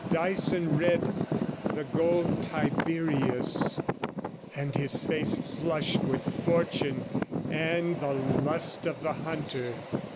Dyson read 'the Gold Tiberius,' and his face flushed with fortune and the lust of the hunter.